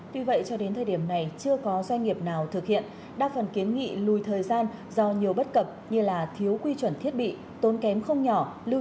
tuy vậy cho đến thời điểm này chưa có doanh nghiệp nào thực hiện đa phần kiến nghị lùi thời gian do nhiều bất cập như thiếu quy chuẩn thiết bị tốn kém không nhỏ